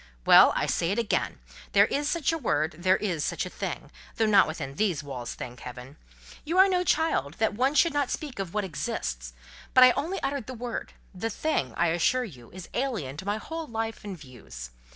Well, I say it again. There is such a word, and there is such a thing—though not within these walls, thank heaven! You are no child that one should not speak of what exists; but I only uttered the word—the thing, I assure you, is alien to my whole life and views.